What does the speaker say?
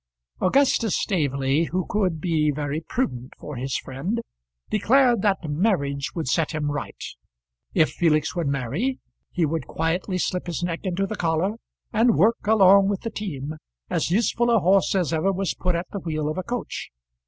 Augustus Staveley, who could be very prudent for his friend, declared that marriage would set him right. If Felix would marry he would quietly slip his neck into the collar and work along with the team, as useful a horse as ever was put at the wheel of a coach.